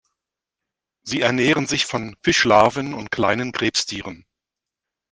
Sie ernähren sich von Fischlarven und kleinen Krebstieren.